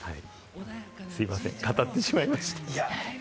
すみません、語ってしまいました。